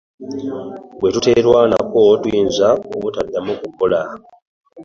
Bwe tuterwaneko tuyinza obutadamu kukola.